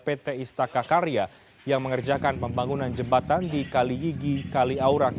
pt istaka karya yang mengerjakan pembangunan jembatan di kalihigi kaliaurak